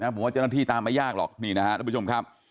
ผมว่าเจ้าหน้าที่ตามไม่ยากหรอกนี่นะครับทุกผู้ชมครับ